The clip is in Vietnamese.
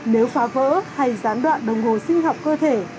nếu phá vỡ hay gián đoạn đồng hồ sinh học cơ thể